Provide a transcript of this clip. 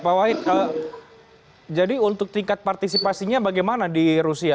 pak wahid jadi untuk tingkat partisipasinya bagaimana di rusia